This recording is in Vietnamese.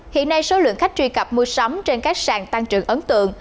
hiện nay số lượng khách truy cập mua sắm trên các sàn tăng trưởng ấn tượng